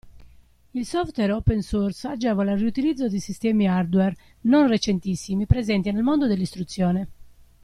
Il software open source agevola il riutilizzo di sistemi hardware non recentissimi presenti nel mondo dell'istruzione.